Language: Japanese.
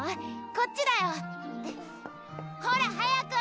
こっちだよほら早く！